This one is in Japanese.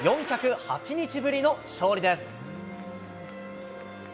４０８日ぶりの勝利です。